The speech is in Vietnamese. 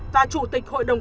và chủ tịch hội đồng công an